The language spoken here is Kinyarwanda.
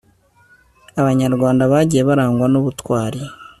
abanyarwanda bagiye barangwa n'ubutwari